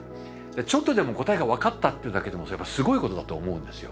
ちょっとでも答えが分かったっていうだけでもすごいことだと思うんですよ。